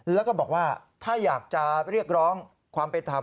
แล้วก็บอกว่าถ้าอยากจะเรียกร้องความเป็นธรรม